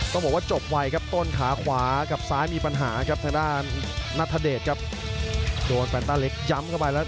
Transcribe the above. ต้องบอกว่าจบไวต้นขาขวากับซ้ายมีปัญหาทะดานนัทเดชโดนแฟนต้าเล็กย้ำเข้าไปแล้ว